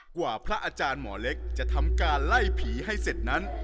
พระอาจารย์หมอเล็กจะทำการไล่ผีให้เสร็จนั้น